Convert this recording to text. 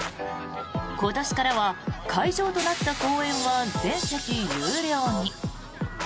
今年からは会場となった公園は全席有料に。